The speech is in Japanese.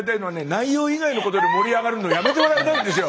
内容以外のことで盛り上がるのやめてもらいたいんですよ。